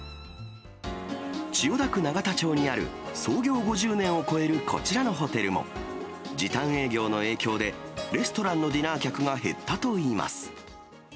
千代田区永田町にある、創業５０年を超えるこちらのホテルも、時短営業の影響で、レストランのディナー客が減ったといいます。